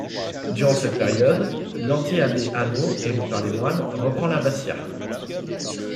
Durant cette période, l’anti-abbé Anno, élu par les moines, reprend l'abbatiat.